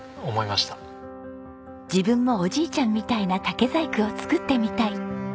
自分もおじいちゃんみたいな竹細工を作ってみたい。